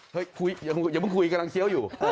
อย่าเพิ่งคุยกำลังเคี้ยวอยู่